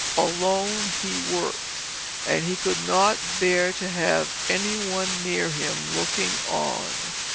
Alone he worked, and he could not bear to have any one near him looking on.